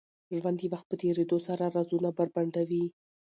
ژوند د وخت په تېرېدو سره رازونه بربنډوي.